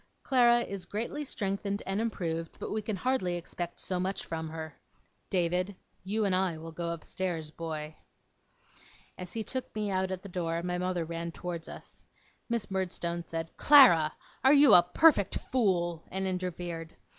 Clara is greatly strengthened and improved, but we can hardly expect so much from her. David, you and I will go upstairs, boy.' As he took me out at the door, my mother ran towards us. Miss Murdstone said, 'Clara! are you a perfect fool?' and interfered.